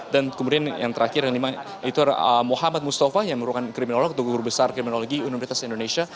dan kemudian yang terakhir itu mohamad mustafa yang merupakan kriminolog atau guru besar kriminologi universitas indonesia